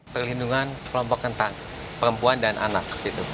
perlindungan kelompok rentan perempuan dan anak